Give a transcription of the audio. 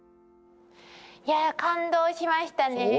いや感動しましたね。